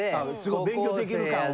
勉強できる感を。